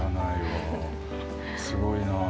すごいなあ。